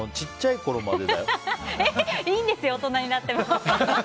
いいんですよ、大人になっても。